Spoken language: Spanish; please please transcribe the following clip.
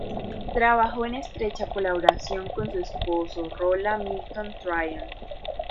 Trabajó en estrecha colaboración con su esposo Rolla Milton Tryon.